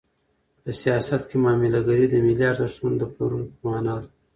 په سیاست کې معامله ګري د ملي ارزښتونو د پلورلو په مانا ده.